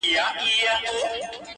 ټول جهان له ما ودان دی نه ورکېږم-